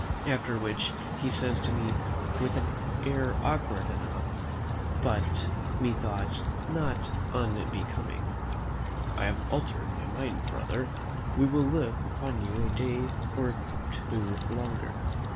After which he says to me, with an air awkward enough, but methought not unbecoming, "I have altered my mind, brother; we will live upon you a day or two longer."